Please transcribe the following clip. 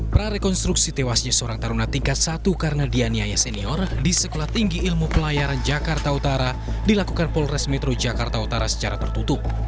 prarekonstruksi tewasnya seorang taruna tingkat satu karena dianiaya senior di sekolah tinggi ilmu pelayaran jakarta utara dilakukan polres metro jakarta utara secara tertutup